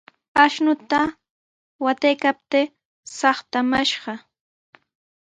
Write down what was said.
Ashnumi wataykaptii saytamashqa.